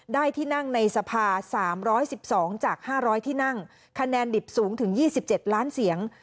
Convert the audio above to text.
ได้ที่นั่งในสภา๓๑๒จาก๕๐๐ที่นั่งคะแนนดิบสูงถึง๒๗ล้านเสียง